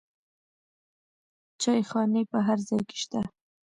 چایخانې په هر ځای کې شته.